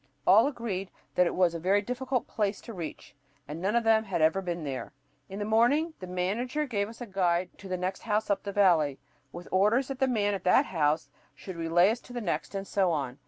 All agreed that it was a very difficult place to reach; and none of them had ever been there. In the morning the manager gave us a guide to the next house up the valley, with orders that the man at that house should relay us to the next, and so on.